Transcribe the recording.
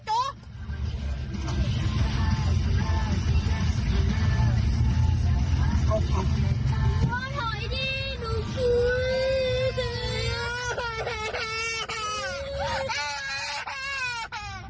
โจ๊ะถอยดิหนูคือ